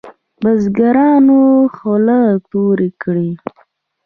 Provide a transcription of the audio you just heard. بزګرانو خوله توی کړې.